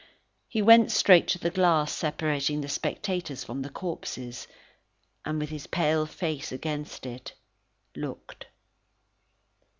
He went straight to the glass separating the spectators from the corpses, and with his pale face against it, looked.